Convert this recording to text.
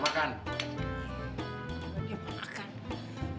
udah siap nih tinggal kita makan